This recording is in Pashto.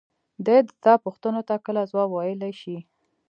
دى د تا پوښتنو ته کله ځواب ويلاى شي.